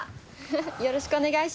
よろしくお願いします。